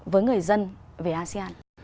với người dân về asean